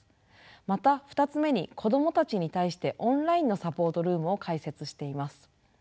また２つ目に子どもたちに対してオンラインのサポートルームを開設しています。